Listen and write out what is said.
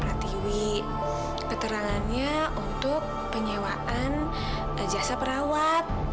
berarti dewi keterangannya untuk penyewaan jasa perawat